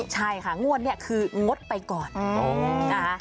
ใช่ค่ะงวดนี้คืองดไปก่อนนะคะ